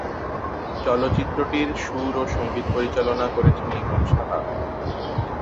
চলচ্চিত্রটির সুর ও সঙ্গীত পরিচালনা করেছেন ইমন সাহা।